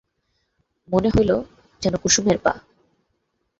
মনে হইল যেন কুসুমের পা।